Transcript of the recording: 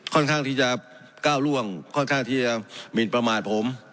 ค่อนข้างที่จะก้าวล่วงค่อนข้างที่จะหมินประมาทผม